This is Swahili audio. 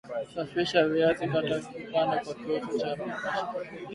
Safisha viazi kata vipande kwa kisu au mashine